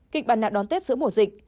kịch bản nào đón tết giữa mùa dịch